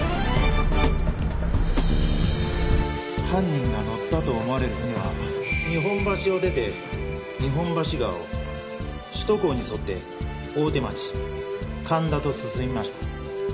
犯人が乗ったと思われる船は日本橋を出て日本橋川を首都高に沿って大手町神田と進みました。